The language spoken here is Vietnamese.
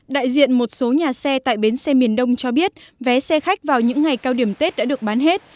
đại diện một số nhà xe tại bến xe miền đông cho biết vé xe khách vào những ngày cao điểm tết đã được bán hết